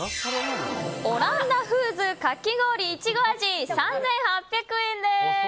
オランダフーズかき氷いちご味３８００円です。